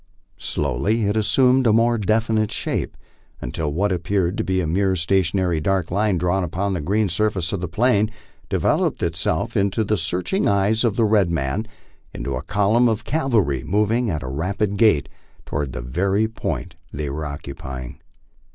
Slowly it assumed a more definite shape, until what appeared to be a mere stationary dark line drawn upon the green surface of the plain, developed itself to the searching eyes of the red man into a column of cavalry moving at a rapid gait toward the very point they were then occupying.